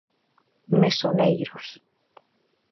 Mesoneiros.